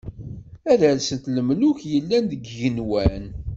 Ad d-rsent lemluk, yellan deg yigenwan.